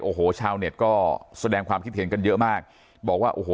โอ้โหชาวเน็ตก็แสดงความคิดเห็นกันเยอะมากบอกว่าโอ้โห